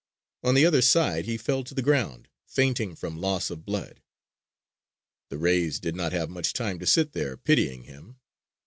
On the other side he fell to the ground fainting from loss of blood. The rays did not have much time to sit there pitying him.